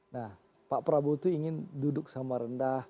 nah pak prabowo itu ingin duduk sama rendah